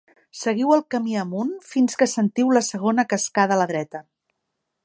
Seguiu el camí amunt fins que sentiu la segona cascada a la dreta.